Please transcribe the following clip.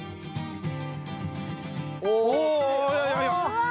うわ。